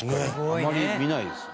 あまり見ないですね。